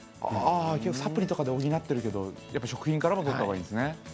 ああサプリとかで補ってるけどやっぱ食品からもとった方がいいんですね。